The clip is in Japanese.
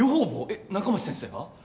えっ仲町先生が？